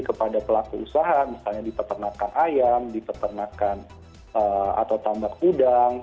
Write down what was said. kepada pelaku usaha misalnya di peternakan ayam di peternakan atau tambak udang